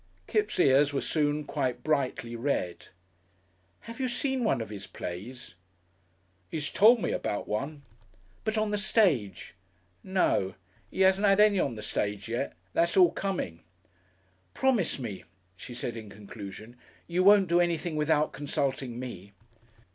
Kipps' ears were soon quite brightly red. "Have you seen one of his plays?" "'E's tole me about one." "But on the stage." "No. He 'asn't 'ad any on the stage yet. That's all coming...." "Promise me," she said in conclusion, "you won't do anything without consulting me."